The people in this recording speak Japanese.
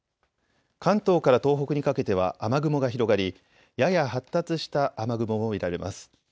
関東から東北にかけては雨雲が広がりやや発達した雨雲も見られます。